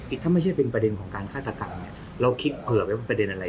ถ้าไม่ใช่เป็นประเด็นของการฆาตกรรมเนี่ยเราคิดเผื่อไว้ว่าประเด็นอะไร